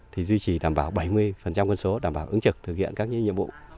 thì duy trì đảm bảo bảy mươi quân số đảm bảo ứng trực thực hiện các nhiệm vụ